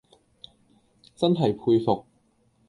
真系佩服